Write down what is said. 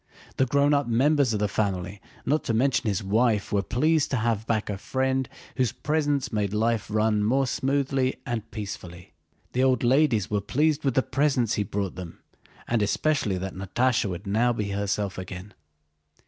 The grown up members of the family, not to mention his wife, were pleased to have back a friend whose presence made life run more smoothly and peacefully. The old ladies were pleased with the presents he brought them, and especially that Natásha would now be herself again.